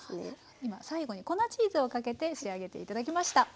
今最後に粉チーズをかけて仕上げて頂きました。